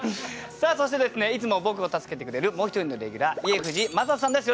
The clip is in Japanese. そしていつも僕を助けてくれるもう一人のレギュラー家藤正人さんです。